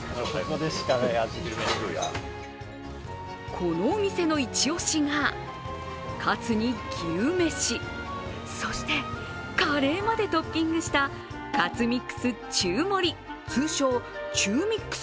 このお店の一押しが、カツに牛めし、そしてカレーまでトッピングしたカツミックス中盛通称・中ミックス。